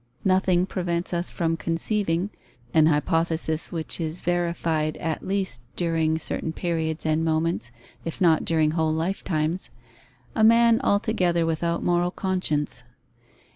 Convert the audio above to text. Nothing prevents us from conceiving (an hypothesis which is verified at least during certain periods and moments, if not during whole lifetimes) a man altogether without moral conscience.